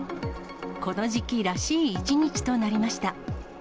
この時期らしい一日となりました。